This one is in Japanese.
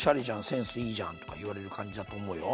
「センスいいじゃん」とか言われる感じだと思うよ。